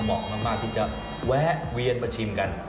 เหมาะมากที่จะแวะเวียนมาชิมกัน